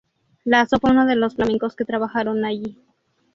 Lasso fue uno de los flamencos que trabajaron allí.